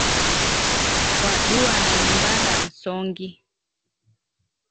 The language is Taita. Waduwa na nyumba ra msongi.